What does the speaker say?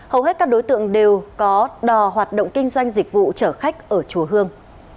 hầu hết các đối tượng đều có đò hoạt động kinh doanh dịch vụ chở khách ở chùa hương